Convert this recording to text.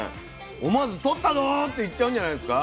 思わず「とったど！」って言っちゃうんじゃないですか。